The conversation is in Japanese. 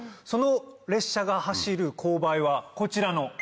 その列車が走る勾配はこちらの。